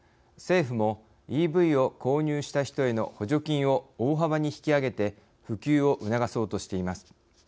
政府もＥＶを購入した人への補助金を大幅に引き上げて普及を促そうとしています。